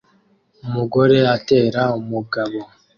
Umugore atera umugabo